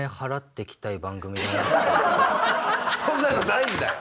そんなのないんだよ！